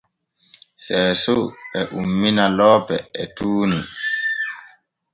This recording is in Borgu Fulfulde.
Seeso e ummina loope e tuuni.